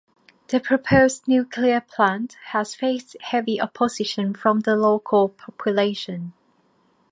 The proposed nuclear plant has faced heavy opposition from the local population.